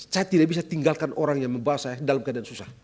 saya tidak bisa tinggalkan orang yang membahas saya dalam keadaan susah